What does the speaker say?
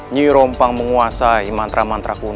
nyi rompang menguasai mantra mantra kuno